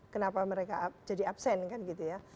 kenapa mereka jadi absen kan gitu ya